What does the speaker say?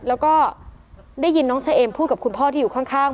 แล้วก็ได้ยินน้องเชมพูดกับคุณพ่อที่อยู่ข้าง